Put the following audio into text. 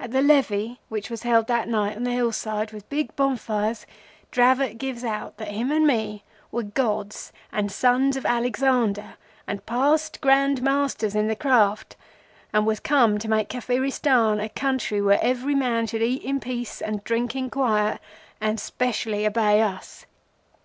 "At the levee which was held that night on the hillside with big bonfires, Dravot gives out that him and me were gods and sons of Alexander, and Past Grand Masters in the Craft, and was come to make Kafiristan a country where every man should eat in peace and drink in quiet, and specially obey us.